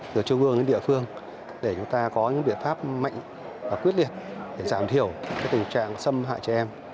từ trung ương đến địa phương để chúng ta có những biện pháp mạnh và quyết liệt để giảm thiểu tình trạng xâm hại trẻ em